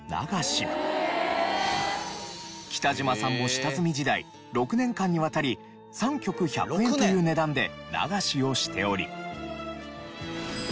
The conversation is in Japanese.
北島さんも下積み時代６年間にわたり３曲１００円という値段で流しをしており。